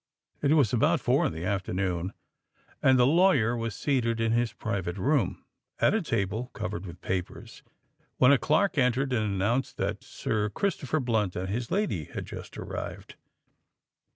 It was about four in the afternoon, and the lawyer was seated in his private room, at a table covered with papers, when a clerk entered and announced that Sir Christopher Blunt and his lady had just arrived.